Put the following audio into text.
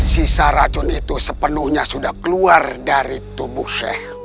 sisa racun itu sepenuhnya sudah keluar dari tubuh sheikh